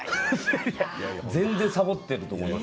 全然サボってると思います。